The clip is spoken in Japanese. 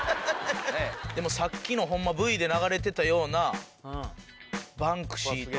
でもさっきのホンマＶＴＲで流れてたようなバンクシーとか。